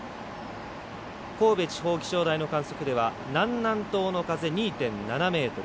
神戸地方気象台の観測では南南東の風２．７メートル。